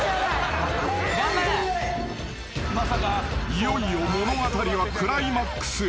［いよいよ物語はクライマックスへ］